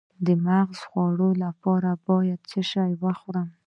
د مغز د خوړو لپاره باید څه شی وخورم؟